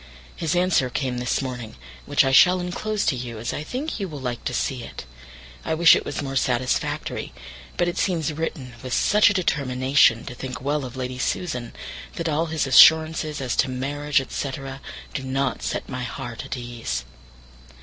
His answer came this morning, which I shall enclose to you, as I think you will like to see it. I wish it was more satisfactory; but it seems written with such a determination to think well of Lady Susan, that his assurances as to marriage, &c., do not set my heart at ease.